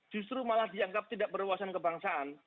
justru malah dianggap tidak beruasan kebangsaan